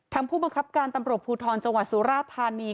ผู้บังคับการตำรวจภูทรจังหวัดสุราธานี